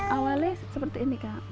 awalnya seperti ini kak